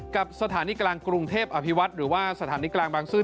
กับสถานีกลางกรุงเทพอภิวัตรหรือว่าสถานีกลางบางซื่อ